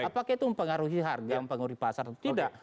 apakah itu mempengaruhi harga mempengaruhi pasar atau tidak